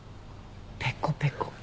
ペコペコ。